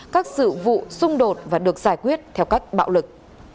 các sự vụ xung đột và được giải quyết theo cách bạo lực